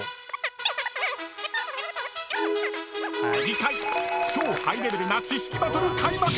［次回超ハイレベルな知識バトル開幕！］